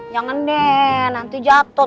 jangan deh nanti jatuh